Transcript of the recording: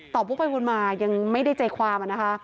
ตอบผู้ปริวนมายังไม่ได้ใจความอ่ะนะคะ